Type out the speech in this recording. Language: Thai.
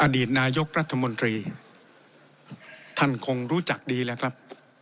อดีตนายกรัฐมนตรีท่านคงรู้จักดีแล้วครับ